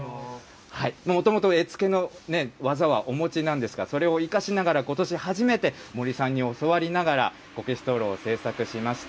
もともと絵付けの技はお持ちなんですが、それを生かしながらことし初めて森さんに教わりながらこけし灯ろうを製作しました。